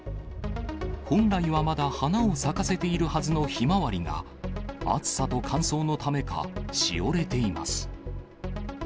本来はまだ花を咲かせているはずのひまわりが、暑さと乾燥のためか、しおれています。